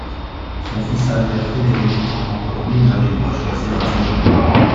Son fils Albert-Frédéric étant encore mineur, il doit choisir un régent.